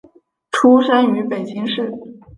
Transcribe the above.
出生于北京市。